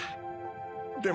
でも。